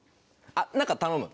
あっなんか頼む？